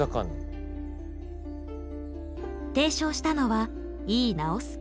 提唱したのは井伊直弼。